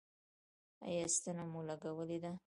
ایا ستنه مو لګولې ده؟